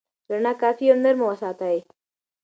رڼا کافي او نرمه وساتئ.